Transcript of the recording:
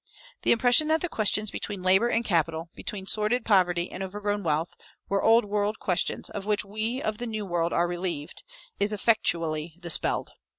The impression that the questions between labor and capital, between sordid poverty and overgrown wealth, were old world questions, of which we of the New World are relieved, is effectually dispelled.